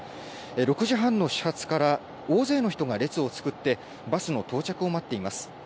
６時半の始発から大勢の人が列を作って、バスの到着を待っています。